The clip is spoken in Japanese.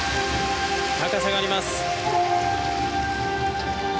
高さがあります。